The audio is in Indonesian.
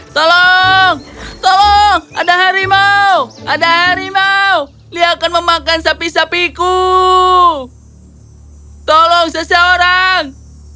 tolong tolong ada harimau ada harimau dia akan memakan sapi sapiku tolong seseorang